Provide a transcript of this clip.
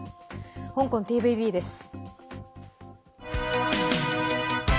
香港ＴＶＢです。